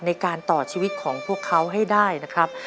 ในการต่อชีวิตของพวกเขาให้ได้นะครับ